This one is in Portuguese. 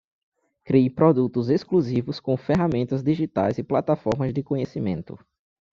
Crie produtos exclusivos com ferramentas digitais e plataformas de conhecimento